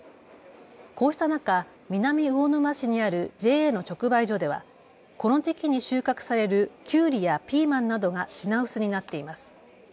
こうした中、南魚沼市にあるＪＡの直売所ではこの時期に収穫されるキュウリやピーマンなどが品薄になっています。